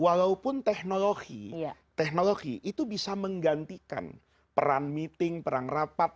walaupun teknologi teknologi itu bisa menggantikan peran meeting perang rapat